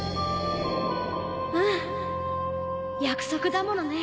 うん。約束だものね